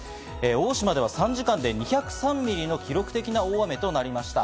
大島では３時間で２０３ミリの記録的な大雨となりました。